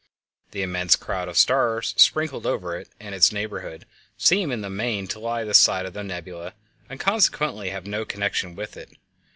The immense crowd of stars sprinkled over it and its neighborhood seem in the main to lie this side of the nebula, and consequently to have no connection with it.